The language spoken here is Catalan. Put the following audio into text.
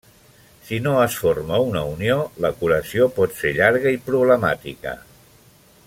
Si no es forma una unió, la curació pot ser llarga i problemàtica.